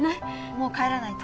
もう帰らないと